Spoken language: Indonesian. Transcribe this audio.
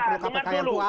karena itu kita perlu kpk